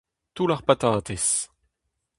Toull ar patatez.